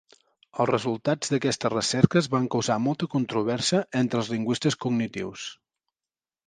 Els resultats d'aquestes recerques van causar molta controvèrsia entre els lingüistes cognitius.